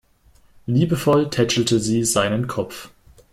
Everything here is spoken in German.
Liebevoll tätschelte sie seinen Kopf.